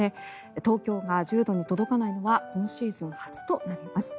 東京が１０度に届かないのは今シーズン初となります。